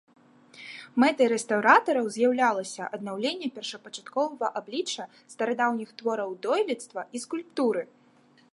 Мэтай рэстаўратараў з'яўлялася аднаўленне першапачатковага аблічча старадаўніх твораў дойлідства і скульптуры.